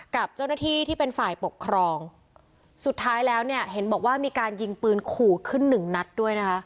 กับเจ้าหน้าที่ที่เป็นฝ่ายปกครองสุดท้ายแล้วเนี่ยเห็นบอกว่ามีการยิงปืนขู่ขึ้นหนึ่งนัดด้วยนะคะ